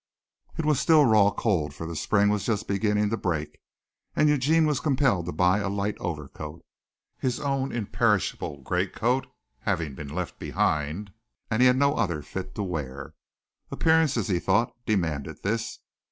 It was still raw and cold, for the spring was just beginning to break, and Eugene was compelled to buy a light overcoat, his own imperishable great coat having been left behind, and he had no other fit to wear. Appearances, he thought, demanded this.